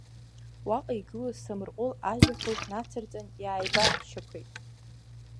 Уаҟа игылаз самырҟәыл ажәақәак нацырҵан, иааибарччақәеит.